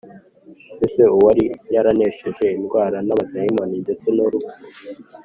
mbese uwari yaranesheje indwara n’abadayimoni ndetse n’urupfu,